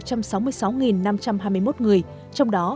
trong đó các nhân viên đã được đưa ra bệnh